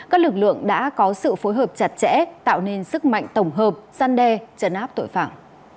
các lực lượng đã có sự phối hợp chặt chẽ tạo nên sức mạnh tổng hợp săn đe trấn áp tội phạm